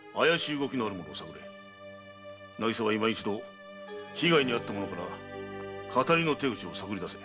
渚は今一度被害に遭った者から騙りの手口を探り出せ。